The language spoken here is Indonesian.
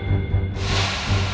aku mau kemana